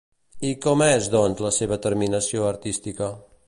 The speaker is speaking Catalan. I com és, doncs, la seva terminació artística?